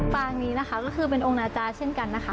ปางนี้นะคะก็คือเป็นองค์นาจาเช่นกันนะคะ